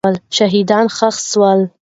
شهیدان ښخ سول.